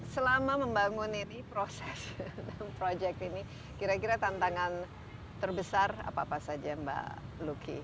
selama membangun ini proses proyek ini kira kira tantangan terbesar apa apa saja mbak lucky